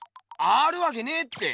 あるわけねえって。